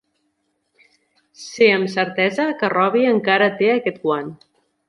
Sé amb certesa que Robby encara té aquest guant.